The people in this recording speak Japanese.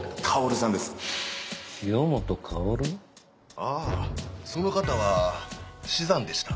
あぁその方は死産でした。